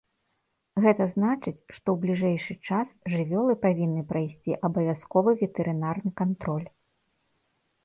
Гэта значыць, што ў бліжэйшы час жывёлы павінны прайсці абавязковы ветэрынарны кантроль.